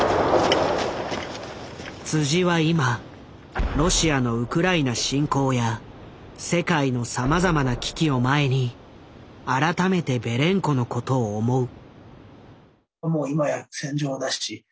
は今ロシアのウクライナ侵攻や世界のさまざまな危機を前に改めてベレンコのことを思う。